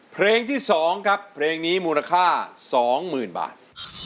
เพลงที่๒ครับเพลงนี้มูลค่า๒๐๐๐บาท